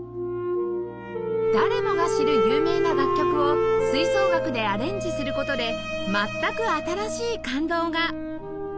誰もが知る有名な楽曲を吹奏楽でアレンジする事で全く新しい感動が！